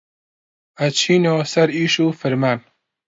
ئەچینۆ سەر ئیش و فرمان